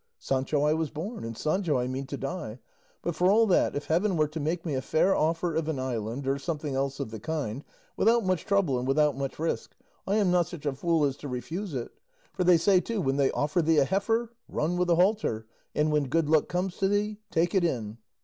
Sancho I was born and Sancho I mean to die. But for all that, if heaven were to make me a fair offer of an island or something else of the kind, without much trouble and without much risk, I am not such a fool as to refuse it; for they say, too, 'when they offer thee a heifer, run with a halter; and 'when good luck comes to thee, take it in.